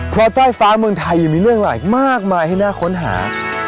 เพราะใต้ฟ้าเมืองไทยยังมีเรื่องหลายมากมายให้น่าค้นหา